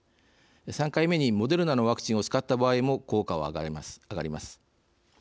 ３回目にモデルナのワクチンを使った場合も、効果は上がります。